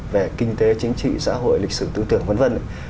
về kinh tế chính trị xã hội lịch sử tư tưởng v v